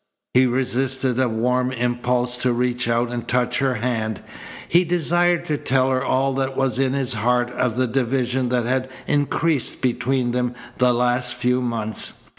He resisted a warm impulse to reach out and touch her hand. He desired to tell her all that was in his heart of the division that had increased between them the last few months.